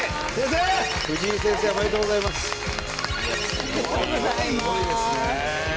伊達：すごいですね。